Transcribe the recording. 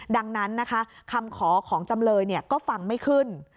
ดังนั้นนะคะคำขอของจำเลยก็ฟังไม่ขึ้น